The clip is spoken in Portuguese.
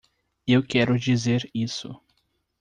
Eu quero dizer isso.